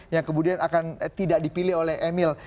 yang kemudian akan tidak dipilih oleh emil